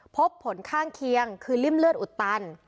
พบผลข้างเคียงคือริ่มเลือดอุดตัน